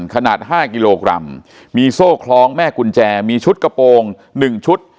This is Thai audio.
ขนาด๕กิโลกรัมมีโซ่คล้องแม่กุญแจมีชุดกระโปรง๑ชุด